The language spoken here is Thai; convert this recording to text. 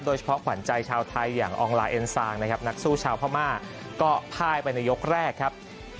ขวัญใจชาวไทยอย่างอองลาเอ็นซางนะครับนักสู้ชาวพม่าก็พ่ายไปในยกแรกครับ